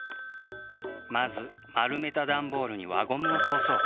まずまるめたダンボールに輪ゴムをとおそう。